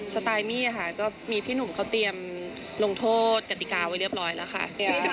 สไตล์มี่ค่ะก็มีพี่หนุ่มเขาเตรียมลงโทษกติกาไว้เรียบร้อยแล้วค่ะ